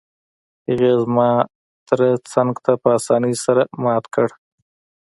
هغې زما تره څنګه په اسانۍ سره مات کړ؟